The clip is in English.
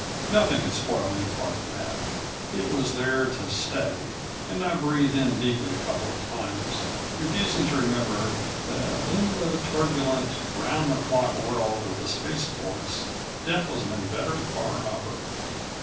Nothing could spoil any part of that. It was there to stay and I breathed in deeply a couple of times, refusing to remember that in the turbulent, round the clock world of the spaceports, Death was an inveterate barhopper.